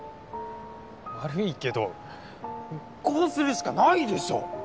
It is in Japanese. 悪いけどこうするしかないでしょ！